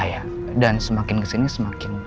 iya dan semakin kesini semakin